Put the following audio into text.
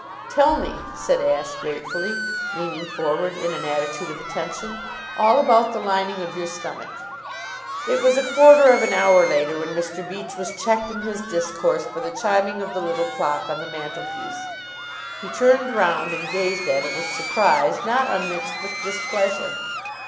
"Tell me," said Ashe gratefully, leaning forward in an attitude of attention, "all about the lining of your stomach." It was a quarter of an hour later when Mr. Beach was checked in his discourse by the chiming of the little clock on the mantelpiece. He turned round and gazed at it with surprise not unmixed with displeasure.